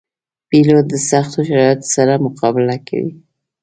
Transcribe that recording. پیلوټ د سختو شرایطو سره مقابله کوي.